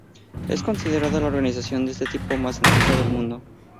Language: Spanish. Es considerada la organización de este tipo más antigua del mundo.